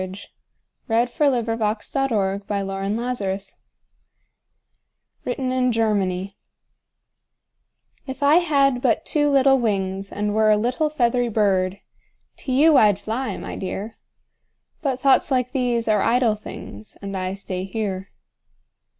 SOMETHING CHILDISH, BUT VERY NATURAL[313:1] WRITTEN IN GERMANY If I had but two little wings And were a little feathery bird, To you I'd fly, my dear! But thoughts like these are idle things, And I stay here.